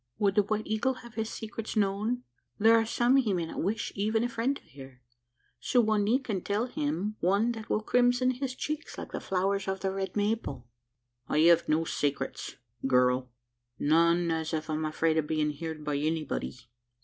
"Would the White Eagle have his secrets known? There are some he may not wish even a friend to hear. Su wa nee can tell him one that will crimson his cheeks like the flowers of the red maple." "I have no saycrets, girl none as I'm afraid o' bein' heerd by anybody."